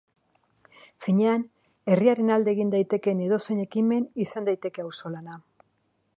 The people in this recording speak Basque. Finean, herriaren alde egin daitekeen edozein ekimen izan daiteke auzolana.